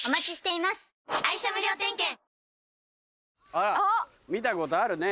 あら見たことあるね。